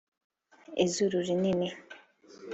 izuru rinini